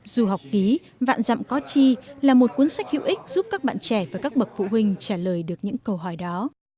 du học ký vạn dặm có chi là một cuốn sách hữu ích giúp các bạn trẻ và các bậc phụ huynh trả lời được những câu hỏi đó